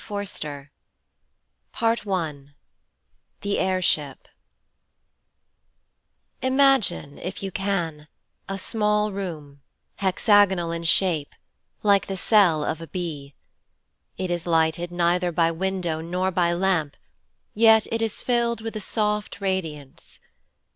Forster (1909) ITHE AIR SHIP Imagine, if you can, a small room, hexagonal in shape, like the cell of a bee. It is lighted neither by window nor by lamp, yet it is filled with a soft radiance.